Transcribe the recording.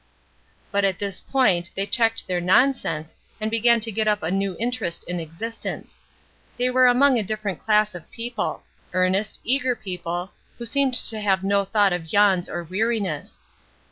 But at this point they checked their nonsense and began to get up a new interest in existence. They were among a different class of people earnest, eager people, who seemed to have no thought of yawns or weariness.